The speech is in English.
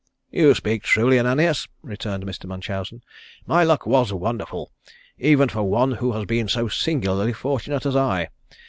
"You speak truly, Ananias," returned Mr. Munchausen. "My luck was wonderful even for one who has been so singularly fortunate as I.